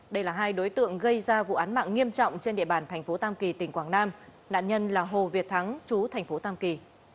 đây là hai đối tượng gây ra vụ án mạng nghiêm trọng trên địa bàn tp tam kỳ tỉnh quảng nam nạn nhân là hồ việt thắng chú tp tam kỳ